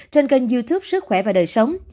trên kênh youtube sức khỏe và đời sống